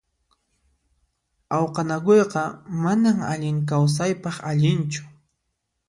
Awqanakuyqa manan allin kawsaypaq allinchu.